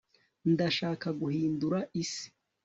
ndashaka guhindura isi